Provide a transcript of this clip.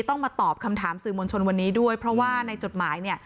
ต้องมาตอบคำถามสื่อมวลชนวันนี้ด้วยเพราะว่าในจดหมายเนี่ย